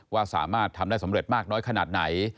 ว่าสามารถทำได้สำเร็จมากน้อยขนาดไหน